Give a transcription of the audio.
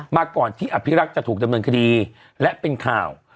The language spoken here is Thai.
มาก่อนที่อภิรักษ์จะถูกดำเนินคดีและเป็นข่าว